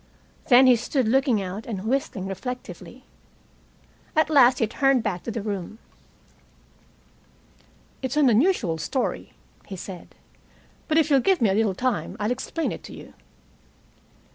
Then he stood looking out and whistling reflectively. At last he turned back to the room. "It's an unusual story," he said. "But if you'll give me a little time I'll explain it to you.